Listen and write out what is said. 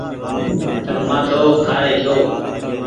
تم مآٿو کآري ڇو۔